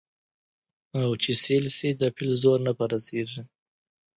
او چي سېل سي د پیل زور نه په رسیږي